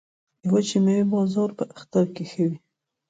د وچې میوې بازار په اختر کې ښه وي